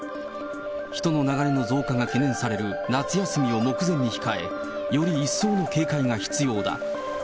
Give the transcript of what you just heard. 人の流れの増加が懸念される夏休みを目前に控え、より一層の警戒が必要だ。